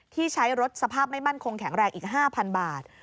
ใช้รถสภาพไม่มั่นคงแข็งแรงอีก๕๐๐บาท